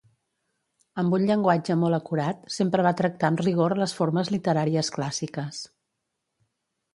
Amb un llenguatge molt acurat, sempre va tractar amb rigor les formes literàries clàssiques.